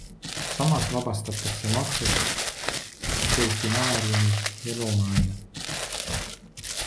Samas vabastatakse maksust delfinaariumid ja loomaaiad.